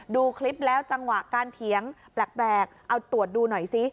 ดูคลิปแล้วจังหวะการเถียงแปลกเอาตรวจดูหน่อยซิ